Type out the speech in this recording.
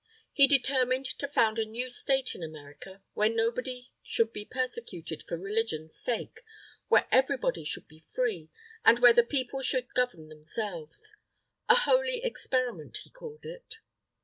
He determined to found a new State in America, where nobody should be persecuted for religion's sake, where everybody should be free, and where the people should govern themselves. "A holy experiment," he called it.